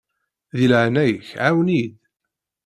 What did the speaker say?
Di leɛnaya-k ɛawen-iyi-d.